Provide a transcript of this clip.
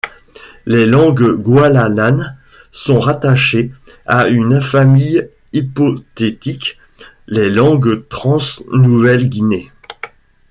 Les langues goilalanes sont rattachées à une famille hypothétique, les langues Trans-Nouvelle-Guinée.